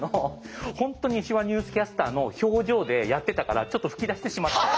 本当に手話ニュースキャスターの表情でやってたからちょっと吹き出してしまって。